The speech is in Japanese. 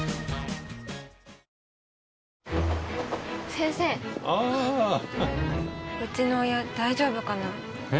先生あうちの親大丈夫かなえ？